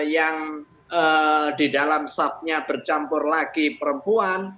yang di dalam sub nya bercampur laki perempuan